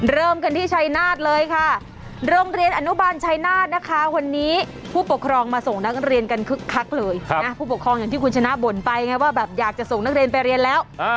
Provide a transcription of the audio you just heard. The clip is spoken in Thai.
เริ่มกันที่ชัยนาฏเลยค่ะโรงเรียนอนุบาลชัยนาธนะคะวันนี้ผู้ปกครองมาส่งนักเรียนกันคึกคักเลยนะผู้ปกครองอย่างที่คุณชนะบ่นไปไงว่าแบบอยากจะส่งนักเรียนไปเรียนแล้ว